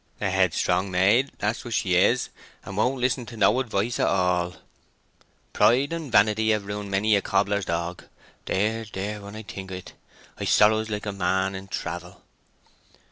"A headstrong maid, that's what she is—and won't listen to no advice at all. Pride and vanity have ruined many a cobbler's dog. Dear, dear, when I think o' it, I sorrows like a man in travel!"